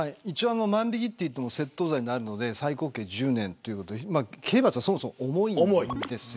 万引と言っても窃盗罪になるので最高刑が１０年で刑罰がそもそも重いです。